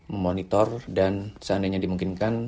memonitor dan seandainya dimungkinkan